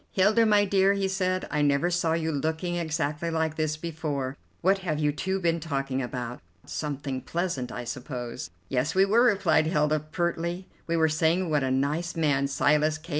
"Hilda, my dear," he said, "I never saw you looking exactly like this before. What have you two been talking about? Something pleasant, I suppose." "Yes, we were," replied Hilda pertly; "we were saying what a nice man Silas K.